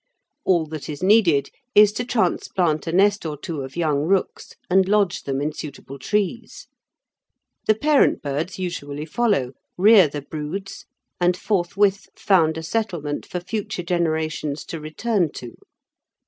All that is needed is to transplant a nest or two of young rooks and lodge them in suitable trees. The parent birds usually follow, rear the broods, and forthwith found a settlement for future generations to return to.